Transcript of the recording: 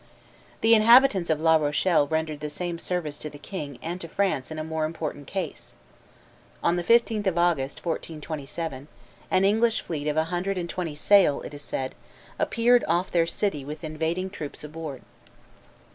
The inhabitants of La Rochelle rendered the same service to the king and to France in a more important case. On the 15th of August, 1427, an English fleet of a hundred and twenty sail, it is said, appeared off their city with invading troops aboard.